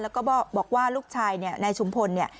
และก็บอกว่าลูกชายในชุมพล